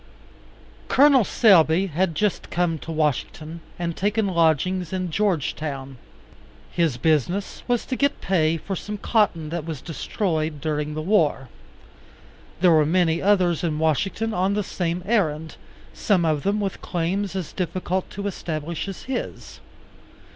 Col. Selby had just come to Washington, and taken lodgings in Georgetown. His business was to get pay for some cotton that was destroyed during the war. There were many others in Washington on the same errand, some of them with claims as difficult to establish as his.